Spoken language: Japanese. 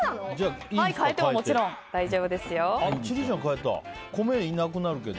変えてももちろん大丈夫ですよ。